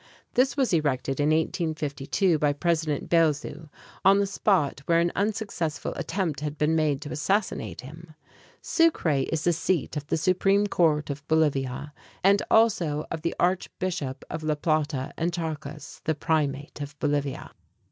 This was erected in 1852 by President Belzu (bale´ thoo), on the spot where an unsuccessful attempt had been made to assassinate him. Sucre is the seat of the supreme court of Bolivia, and also of the archbishop of La Plata and Charcas, the primate of Bolivia.